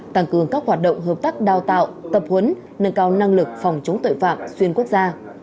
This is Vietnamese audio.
tăng cường các hoạt động hợp tác đào tạo tập huấn nâng cao năng lực phòng chống tội phạm xuyên quốc gia